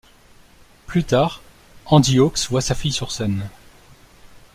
Plus tard, Andy Hawks voit sa fille sur scène.